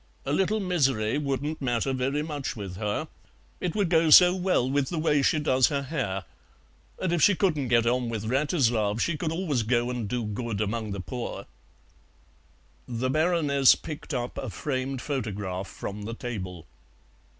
"A little misery wouldn't matter very much with her; it would go so well with the way she does her hair, and if she couldn't get on with Wratislav she could always go and do good among the poor." The Baroness picked up a framed photograph from the table.